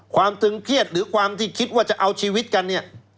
ตึงเครียดหรือความที่คิดว่าจะเอาชีวิตกันเนี่ย